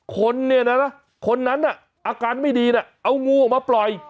คนเนี่ยนะคนนั้นอาการไม่ดีนะเอางูออกมาปล่อย